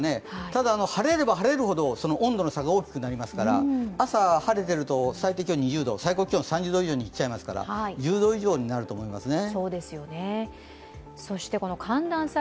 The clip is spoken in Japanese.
ただ、晴れれば晴れるほど温度の差が大きくなりますから、朝晴れていると最低気温２０度、最高気温３０度以上にいっちゃいますから１０度以上になると思いますね。